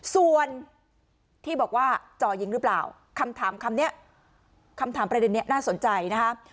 ส่วนที่บอกว่าเจาะยิงหรือเปล่าคำถามประเด็นนี้น่าสนใจนะครับ